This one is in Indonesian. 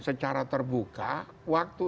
secara terbuka waktu